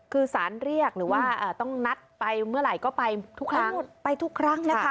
คือสารเรียกหรือว่าต้องนัดไปเมื่อไหร่ก็ไปทุกครั้ง